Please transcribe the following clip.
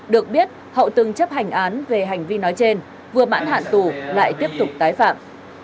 được biết hậu từng chấp hành án về hành vi nói trên vừa mãn hạn tù lại tiếp tục tái phạm